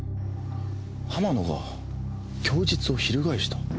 浜野が供述を翻した？